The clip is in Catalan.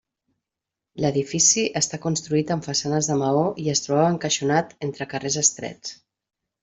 L'edifici està construït amb façanes de maó i es trobava encaixonat entre carrers estrets.